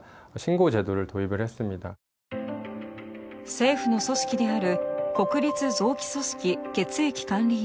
政府の組織である国立臓器組織血液管理院